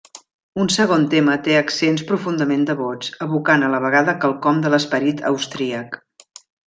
Un segon tema té accents profundament devots, evocant a la vegada quelcom de l'esperit austríac.